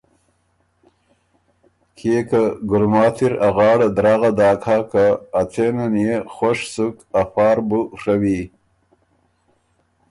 کيې که ګلماتی ر ا غاړه دراغه داک هۀ که ا څېنه نيې خوش سُک افار بُو ڒوی۔